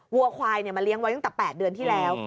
วัวควายมาเลี้ยงไว้ตั้งแต่๘เดือนที่แล้ว